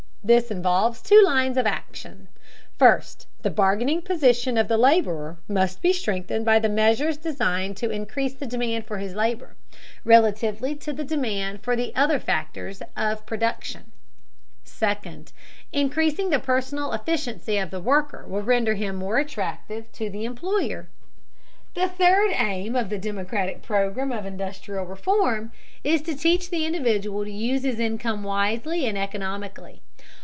This involves two lines of action: first, the bargaining position of the laborer must be strengthened by measures designed to increase the demand for his labor, relatively to the demand for the other factors of production; second, increasing the personal efficiency of the worker will render him more attractive to the employer. The third aim of the democratic program of industrial reform is to teach the individual to use his income wisely and economically.